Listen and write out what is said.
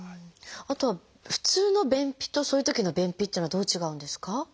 あとは普通の便秘とそういうときの便秘っていうのはどう違うんですか？